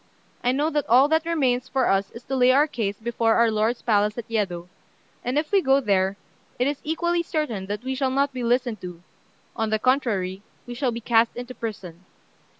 I know that all that remains for us is to lay our case before our lord's palace at Yedo; and if we go there, it is equally certain that we shall not be listened to on the contrary, we shall be cast into prison.